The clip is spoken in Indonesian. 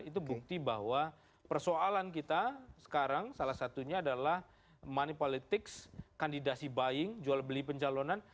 itu bukti bahwa persoalan kita sekarang salah satunya adalah money politics kandidasi buying jual beli pencalonan